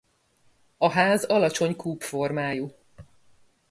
A ház alacsony kúp formájú.